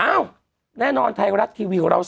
แน่นอนไทยรัฐทีวีของเรา